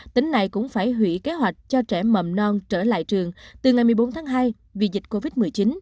tỉnh này cũng phải hủy kế hoạch cho trẻ mầm non trở lại trường từ ngày một mươi bốn tháng hai vì dịch covid một mươi chín